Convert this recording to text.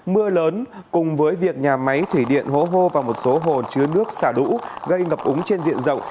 mưa lớn cùng với việc nhà máy thủy điện hố hô và một số hồ chứa nước xả lũ gây ngập úng trên diện rộng